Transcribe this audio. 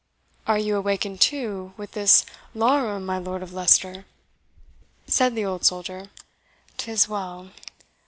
"Are you awakened, too, with this 'larum, my Lord of Leicester?" said the old soldier. "'Tis well.